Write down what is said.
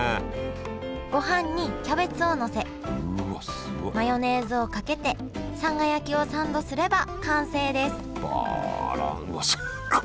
ご飯にキャベツをのせマヨネーズをかけてさんが焼きをサンドすれば完成ですわあすごいね。